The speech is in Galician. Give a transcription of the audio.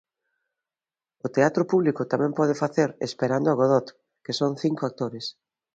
O teatro público tamén pode facer 'Esperando a Godot', que son cinco actores.